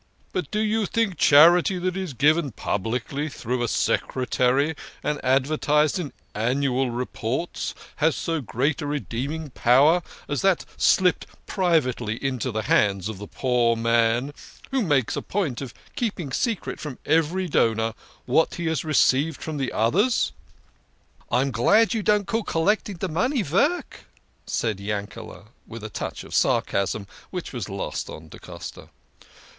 But do you think charity that is given publicly through a secretary and advertised in annual reports has so great a redeeming power as that slipped privately into the hands of the poor man, who makes a point of keeping secret from every donor what he has received from the others? "" I am glad you don't call collecting de money vork," said Yankel, with a touch of sarcasm which was lost on da Costa.